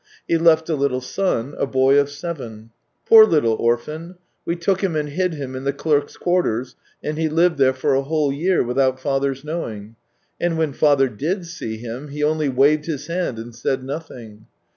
He left a little son, a boy of seven. Poor little orphan !... We took him and hid him in the clerk's quarters, and he Uved there for a whole year, without father's knowing. And when father did see him, he only waved his hand and said nothing.